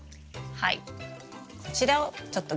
はい。